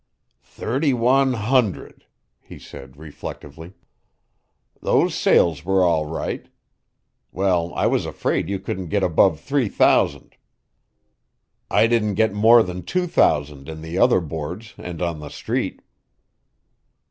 "Thirty one hundred," he said reflectively. "Those sales were all right. Well, I was afraid you couldn't get above three thousand. I didn't get more than two thousand in the other Boards and on the Street."